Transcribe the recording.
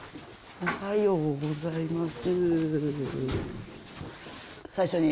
おはようございます。